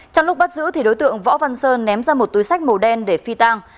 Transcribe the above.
trong lúc bắt giữ thì đối tượng võ văn sơn ném ra một túi sách màu đen để phi tang